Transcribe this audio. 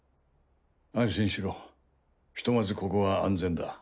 安心しろひとまずここは安全だ。